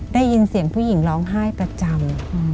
ได้ยินเสียงผู้หญิงร้องไห้ประจำ